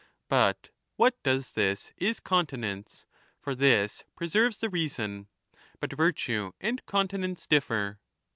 But what does this is continence, for this 15 preserves the reason. But virtue and continence differ.